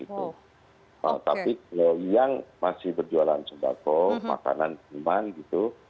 tapi kalau yang masih berjualan sembako makanan minuman gitu